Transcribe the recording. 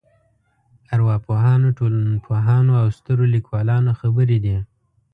ارواپوهانو ټولنپوهانو او سترو لیکوالانو خبرې دي.